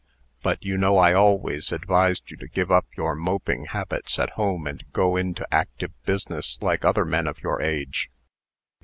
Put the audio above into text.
But you know I always advised you to give up your moping habits at home, and go into active business, like other men of your age.